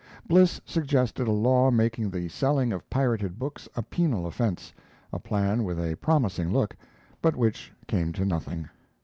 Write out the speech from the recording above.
Bliss suggested a law making the selling of pirated books a penal offense, a plan with a promising look, but which came to nothing.